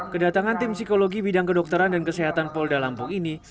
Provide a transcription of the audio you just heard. kedatangan tim psikologi bidang kedokteran dan kesehatan polda lampung ini